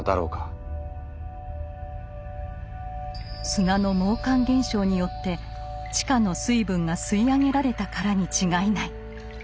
砂の毛管現象によって地下の水分が吸い上げられたからに違いない。